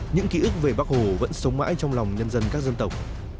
những ký ức về bắc hồ vẫn sống mãi trong lòng nhân dân các dân tộc